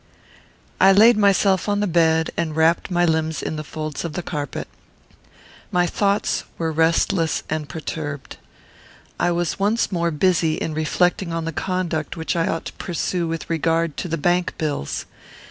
I laid myself on the bed and wrapped my limbs in the folds of the carpet. My thoughts were restless and perturbed. I was once more busy in reflecting on the conduct which I ought to pursue with regard to the bank bills.